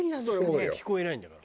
聞こえないんだから。